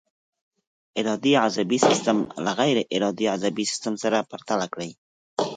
ارادي عصبي سیستم له غیر ارادي عصبي سیستم سره پرتله کړئ.